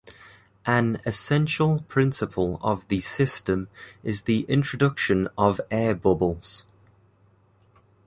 An essential principle of the system is the introduction of air bubbles.